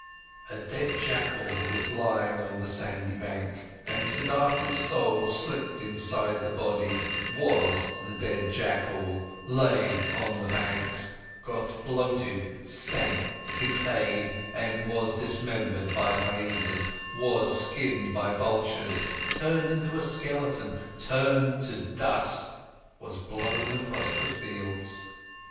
A dead jackal was lying on the sandy bank, and Siddhartha's soul slipped inside the body, was the dead jackal, lay on the banks, got bloated, stank, decayed, was dismembered by hyaenas, was skinned by vultures, turned into a skeleton, turned to dust, was blown across the fields.